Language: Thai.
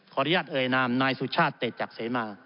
อนุญาตเอ่ยนามนายสุชาติเตจักรเสมา